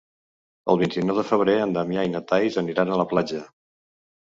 El vint-i-nou de febrer en Damià i na Thaís aniran a la platja.